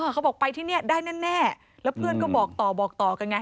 เขาบอกไปที่นี่ได้แน่แล้วเพื่อนก็บอกต่อบอกต่อกันไง